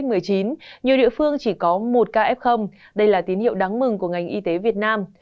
nhiều địa phương chỉ có một ca f đây là tín hiệu đáng mừng của ngành y tế việt nam